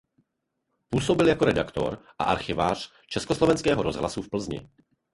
Působil jako redaktor a archivář Československého rozhlasu v Plzni.